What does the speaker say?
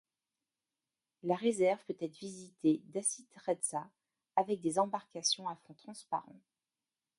La réserve peut être visitée d'Aci Trezza, avec des embarcations à fond transparent.